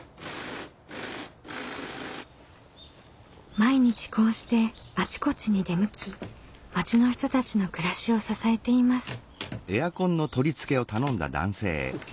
毎日こうしてあちこちに出向き町の人たちの暮らしを支えています。ＯＫ？